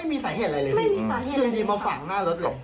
ไม่มีสายเหตุอะไรเลยพี่จริงมองฝั่งหน้ารถเลย